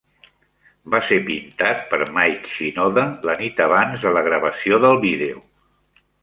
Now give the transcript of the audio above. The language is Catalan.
Va ser pintat per Mike Shinoda la nit abans de la gravació del vídeo.